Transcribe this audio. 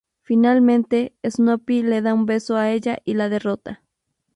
Finalmente, Snoopy le da un beso a ella y la derrota.